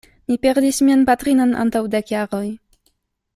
Mi perdis mian patrinon antaŭ dek jaroj.